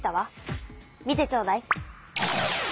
見てちょうだい。